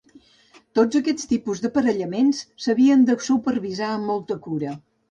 Tots aquests tipus d'aparellaments s'havien de supervisar amb molta cura.